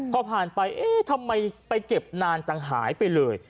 พอผ่านไปเอ๊ะทำไมไปเก็บนานจังหายไปเลย